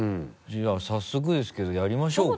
じゃあ早速ですけどやりましょうか。